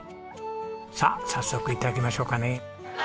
さあ早速頂きましょうかね。